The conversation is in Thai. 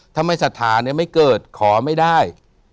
ถ้าไม่ศรัทธาไม่เกิดขอไม่ได้